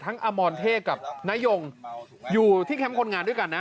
อมรเทพกับนายงอยู่ที่แคมป์คนงานด้วยกันนะ